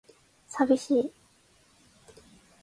寂しい